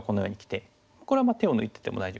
これは手を抜いてても大丈夫ですかね。